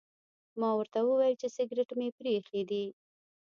ما ورته وویل چې سګرټ مې پرې ایښي دي.